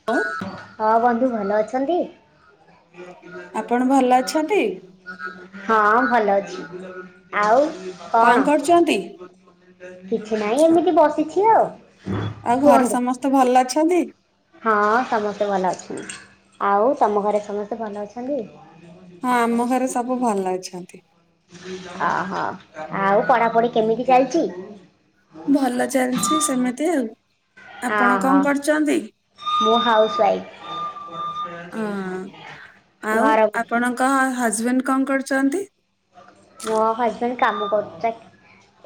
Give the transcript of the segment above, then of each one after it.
[inaudible] ହଁ ବନ୍ଧୁ ଭଲ ଅଛନ୍ତି? ଆପଣ ଭଲ ଅଛନ୍ତି? ହଁ ଭଲ ଅଛି ଆଉ କଣ? କିଛି ନାହିଁ ଏମିତି ବସିଛି ଆଉ ଆଉ ଘରେ କୁହନ୍ତୁ? ସମସ୍ତେ ଭଲ ଅଛନ୍ତି? ହଁ ସମସ୍ତେ ଭଲ ଅଛନ୍ତି। ଆଉ ତମ ଘରେ ସମସ୍ତେ ଭଲ ଅଛନ୍ତି? ହଁ ଆମ ଘରେ ସବୁ ଭଲ ଅଛନ୍ତି। ଓ ହଉ ଆଉ ପଢାପଢି କେମିତି ଚାଲିଛି? ଭଲ ଚାଲିଛି ସେମିତି ଆଉ ଆପଣ ଓହୋ। କଣ କରୁଛନ୍ତି? ମୁଁ ହାଉସ୍ ୱାଇଫ୍। ହ ଆଉ ଘର ଆପଣଙ୍କ ହଜବେଣ୍ଡ କଣ କରୁଛନ୍ତି? ମୋ ହଜବେଣ୍ଡ କାମ କରୁଛନ୍ତି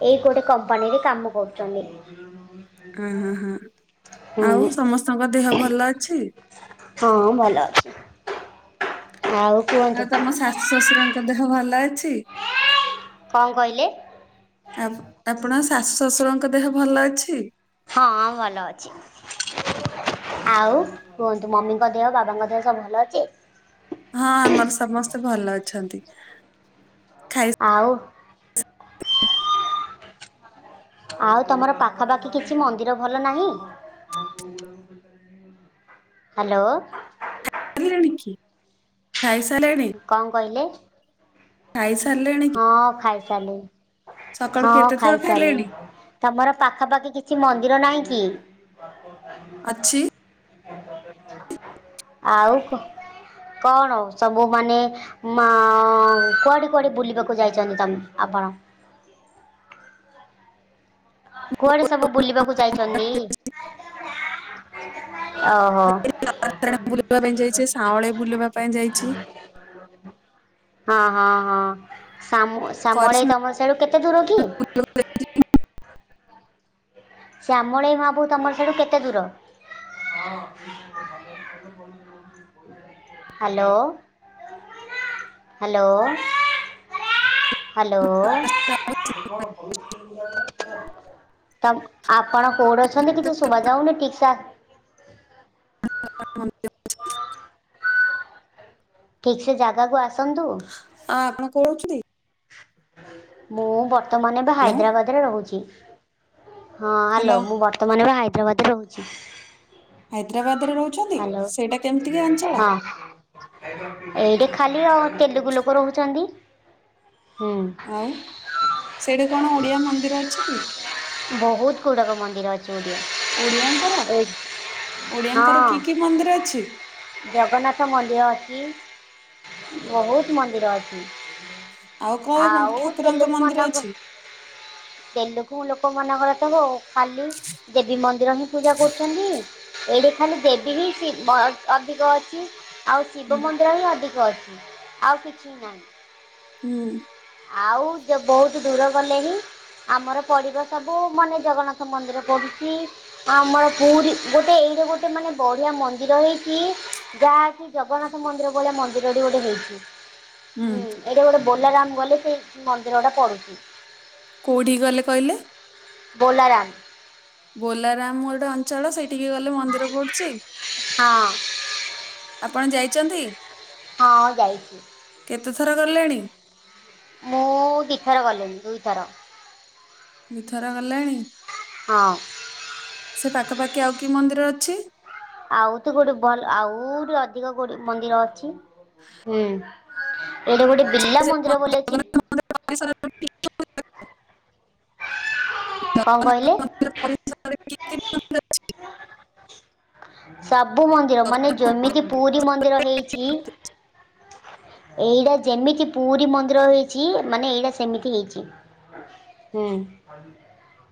ଏଇ ଗୋଟେ କମ୍ପାନୀରେ କାମ କରୁଛନ୍ତି। ଅ ହ ହ ହୁଁ। ଆଉ ସମସ୍ତଙ୍କ ଦେହ ଭଲ ଅଛି? ହଁ ଭଲ ଅଛି ଆଉ କୁହନ୍ତୁ? ଆଉ ତମ ଶାଶୁ ଶଶୁରଙ୍କ ଦେହ ଭଲ ଅଛି? କଣ କହିଲେ? ଆଉ ଆପଣଙ୍କ ଶାଶୁ ଶଶୁରଙ୍କ ଦେହ ଭଲ ଅଛି? ହଁ ଭଲ ଅଛି। ଆଉ କୁହନ୍ତୁ ମମିଙ୍କ ଦେହ ବାବାଙ୍କ ଦେହ ସବୁ ଭଲ ଅଛି? ହଁ ଆମର ସମସ୍ତେ ଭଲ ଅଛନ୍ତି। ଆଉ ଆଉ ତମର ପାଖାପାଖି କିଛି ମନ୍ଦିର ଭଲ ନାହିଁ? ହ୍ୟାଲୋ। [inaudible] ଖାଇସାରି ଲେଣି? କଣ କହିଲେ? ଖାଇସାରି ଲେଣି? ହଁ ଖାଇସାରିଲିଣି ସକାଳୁ ହଁ କେତେ ଥର ଖାଇଲେଣି ଖାଇସାରିଲିଣି। ତମର ପାଖା ପାାଖି କିଛି ମନ୍ଦିର ନାହିଁ କି? ଅଛି। ଆଉ କଣ ସବୁ ମାନେ କୁଆଡେ କୁଆଡେ ବୁଲି ଯିବାକୁ ଯାଇଛନ୍ତି ତମେ ଆପଣ? କୁଆଡେ ସବୁ ବୁଲିବାକୁ ଯାଇଛନ୍ତି? ଓହୋ ବୁଲିବା ପାଇଁ ଯାଇଛି ସାଁଊଳି ବୁଲିବା ପାଇଁ ଯାଇଛି ହଁ ହଁ ହଁ କରି ଶ୍ୟାମଳ ତମ ସିଆଡୁ କେତେ ଦୂର କି? ଶ୍ୟାମଳେଇ ମାହପୁର ତମର ସିଆଡୁ କେତେ ଦୂର? ହ୍ୟାଲୋ। ହ୍ୟାଲୋ। ହାଲୋ ତ ଆପଣ କେଉଁଠି ଅଛନ୍ତି କିଛି ଶୁଭା ଯାଉନି ଠିକ୍ ସା [inaudible] ଠିକ୍ ସେ ଜାଗାକୁ ଆସନ୍ତୁ। ଆଁ ଆପଣ କୋଉଁ ଅଛନ୍ତି? ମୁଁ ବର୍ତ୍ତମାନ ଏବେ ହ୍ୟାଲୋ ହାଇଦ୍ରାବାଦରେ ରହୁଛି, ହଁ ହାଲୋ ହ୍ୟାଲୋ ମୁଁ ତମାନେ ହାଇଦ୍ରାବାଦରେ ରହୁଛି। ହାଇଦ୍ରାବାଦରେ ରହୁଛନ୍ତି, ହ୍ୟାଲୋ ସେଇଟା କେମିତିକା ଅଞ୍ଚଳ? ହଁ ଏଇଠି ଖାଲି ଆଉ ତେଲୁଗୁ ଲୋକ ରହୁଛନ୍ତି। ହୁଁ ଆଉ ସେଠି କଣ ଓଡିଆ ମନ୍ଦିର ଅଛି କି? ବୋହୁତ୍ ଗୁଡାକ ମନ୍ଦିର ଅଛି। ଓଡିଆଙ୍କର ଏକ୍ ଓଡିଆଙ୍କର କି ହଁ। କି ମନ୍ଦିର ଅଛି ଜଗନ୍ନାଥ ମନ୍ଦିର ଅଛି, ବୋହୁତ୍ ମନ୍ଦିର ଅଛି। ଆଉ କୋଉ ଠାକୁରଙ୍କ ତେଲୁଗୁ ମନ୍ଦିର ମାନଙ୍କ ଅଛି? ତେଲୁଗୁ ଲୋକ ମାନଙ୍କର ତ ଖାଲି। ଦେବୀ ମନ୍ଦିର ହିଁ ପୂଜା କରୁଛନ୍ତି, ଏଇଠି ଖାଲି ଦେବୀ ହିଁ ଶିବ। ଅଧିକ ଅଛି, ଆଉ ହୁଁ ଶିବ ମନ୍ଦିର ହିଁ ଅଧିକ ଅଛି, ଆଉ କିଛି ନାହିଁ। ହୁଁ। ଆଉ ବୋହୁତୁ ଦୂର ଗଲେ ହିଁ। ଆମର ପଡିବ ସବୁ ମାନେ ଜଗନ୍ନାଥ ମନ୍ଦିର ପଢୁଛି। ଆମର ପୁରୀ ଗୋଟେ ଏଇଟି ଗୋଟେ ମାନେ ବଢ଼ିଆ ମନ୍ଦିର ହେଇଛି, ଯାହାକି ଜଗନ୍ନାଥ ମନ୍ଦିର ଭଳିଆ ମନ୍ଦିର ଗୋଟେ ହେଇଛି, ହୁଁ ଏଇଠି ଗୋଟେ ବୋଲାରାମ୍ ମୁଁ ଗଲେ ସେ ମନ୍ଦିର ଟା ପଡୁଛି। କୋଉଠିକି ଗଲେ କହିଲେ? ବୋଲାରାମ୍। ବୋଲାରାମ୍ ଗୋଟେ ଅଞ୍ଚଳ ସେଇଠିକି ଗଲେ ମନ୍ଦିର ପଡୁଛି। ହଁ ଆପଣ ଯାଇଚନ୍ତି? ହଁ ଯାଇଛି। କେତେ ଥର ଗଲେଣି? ମୁଁ ଦିଥର ଗଲିଣି ଦୁଇଥର। ଦିଥର ଗଲେଣି, ହଁ ସେ ପାଖ ପାାଖି ଆଉ କି ମନ୍ଦିର ଅଛି? ଆଉ ତ ଗୋଟେ ଭଲ୍ ଆହୁରି ଅଧିକ ଗୋଟେ ମନ୍ଦିର ଅଛି, ହୁଁ। ଏଇଟି ଗୋଟେ ବିଲା ମନ୍ଦିର ବୋଲି ଅଛି। [inaudible] କଣ କହିଲେ? ପ [inaudible] ସବୁ ମନ୍ଦିର ମାନେ ଜଗନ୍ନାଥ ଯେମିତି ପୁରୀ ମନ୍ଦିର ହେଇଚି। ଏଇଟା ଯେମିତି ପୁରୀ ମନ୍ଦିର ହେଇଚି ମାନେ ଏଇଟା ସେମିତି ହେଇଚି। ହୁଁ। [unintelligible]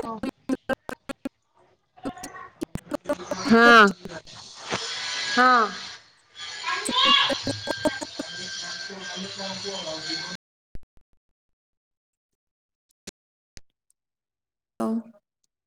ହଁ। ହଁ -ହଁ। ସେପେ [inaudible] ହଉ।